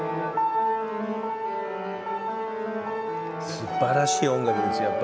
すばらしい音楽です。